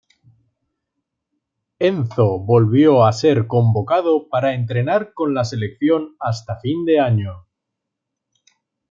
Enzo volvió a ser convocado para entrenar con la selección hasta fin de año.